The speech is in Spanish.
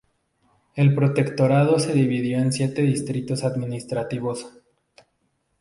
El protectorado se dividió en siete distritos administrativos.